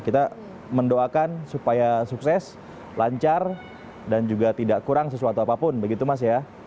kita mendoakan supaya sukses lancar dan juga tidak kurang sesuatu apapun begitu mas ya